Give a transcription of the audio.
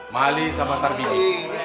mali sambantar bini